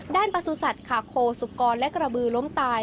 ประสุทธิ์ขาโคสุกรและกระบือล้มตาย